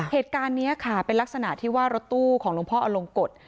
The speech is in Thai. เหตุการณ์นี้ค่ะเป็นลักษณะที่ว่ารถตู้ของหลวงพ่ออลงกฎ